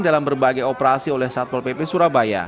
dan berbagai operasi oleh satpol pp surabaya